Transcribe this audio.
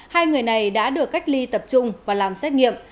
hai người này đã được cách ly tập trung và làm xét nghiệm